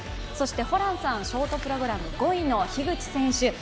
そしてホランさん、ショートプログラム５位の樋口選手